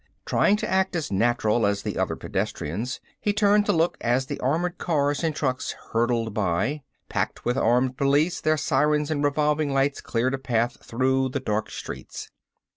Trying to act as natural as the other pedestrians, he turned to look as the armored cars and trucks hurtled by. Packed with armed police, their sirens and revolving lights cleared a path through the dark streets.